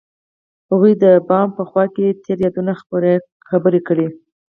هغوی د بام په خوا کې تیرو یادونو خبرې کړې.